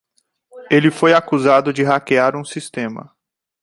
Ele foi acusado de hackear um sistema.